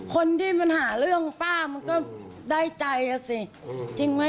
คนที่มันหาเรื่องป้ามันก็ได้ใจอ่ะสิจริงไหม